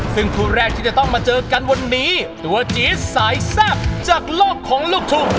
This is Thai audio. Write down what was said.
ซึ่งคู่แรกที่จะต้องมาเจอกันวันนี้ตัวจี๊ดสายแซ่บจากโลกของลูกทุ่ง